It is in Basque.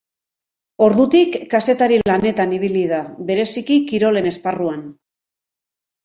Ordutik kazetari lanetan ibili da, bereziki kirolen esparruan.